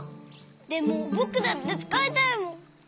でもぼくだってつかいたいもん。